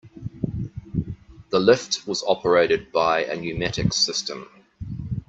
The lift was operated by a pneumatic system.